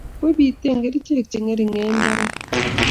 Kwe pitee kerichek che ngering'en mbaret